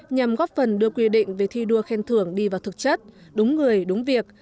nhằm góp phần đưa quy định về thi đua khen thưởng đi vào thực chất đúng người đúng việc